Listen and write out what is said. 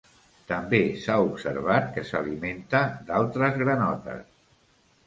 També s'ha observat que s'alimenta d'altres granotes.